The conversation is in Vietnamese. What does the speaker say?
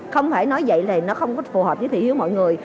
không phải nói vậy là nó không phù hợp với thị hiếu mọi người